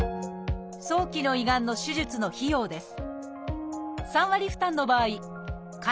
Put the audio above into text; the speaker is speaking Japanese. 早期の胃がんの手術の費用です